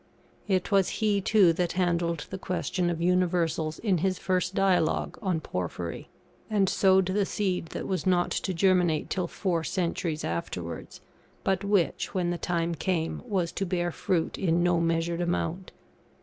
It was he too that handled the question of Universals in his first Dialogue on Porphyry, and sowed the seed that was not to germinate till four centuries afterwards, but which, when the time came, was to bear fruit in no measured amount.